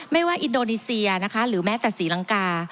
ไม่ว่าอินโดนีเซียหรือแม้สัตว์ศรีลังกา